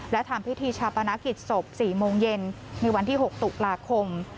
และทำพิธีชาปนกิจศพ๔โมงเย็นในวันที่๖ตุลาคม